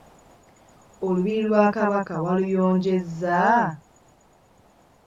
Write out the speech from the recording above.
Olubiri lwa Kabaka waluyonjezza?